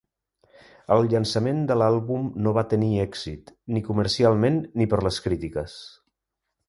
El llançament de l'àlbum no va tenir èxit, ni comercialment ni per les crítiques.